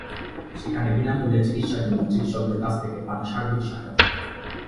সেখানে বিনা মূল্যে চিকিৎসার জন্য চিকিৎসকদের কাছ থেকে পান সার্বিক সহায়তা।